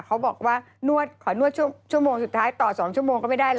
เขาบอกว่านวดขอนวดชั่วโมงสุดท้ายต่อ๒ชั่วโมงก็ไม่ได้แล้ว